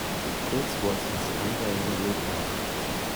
This was his unvarying reply.